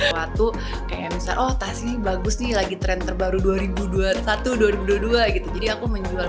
suatu kayak misal oh tasi bagus nih lagi tren terbaru dua ribu dua puluh satu dua ribu dua puluh dua gitu jadi aku menjual